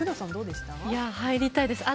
入りたいです。